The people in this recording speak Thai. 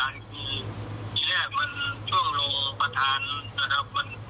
สมมิตรภารกิจที่แรกมันช่วงโหลประธานสำหรับมัน